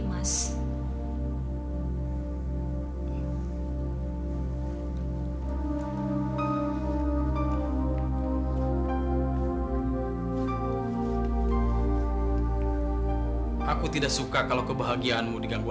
jangan lupa like share dan subscribe ya